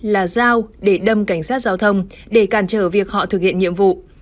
là dao để đâm cảnh sát giao thông để cản trở việc họ thực hiện nhiệm vụ